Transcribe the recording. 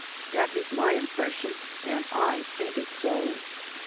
That is my impression, and I paint it so.